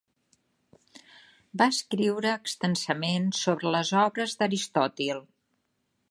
Va escriure extensament sobre les obres d'Aristòtil.